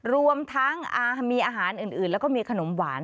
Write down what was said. รวมทั้งมีอาหารอื่นแล้วก็มีขนมหวาน